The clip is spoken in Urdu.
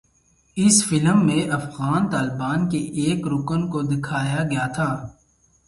اس فلم میں افغان طالبان کے ایک رکن کو دکھایا گیا تھا